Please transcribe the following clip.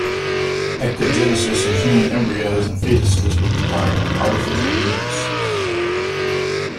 Ectogenesis of human embryos and fetuses would require an artificial uterus.